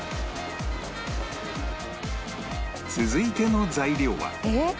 続いての材料は